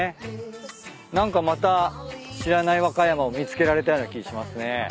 何かまた知らない和歌山を見つけられたような気しますね。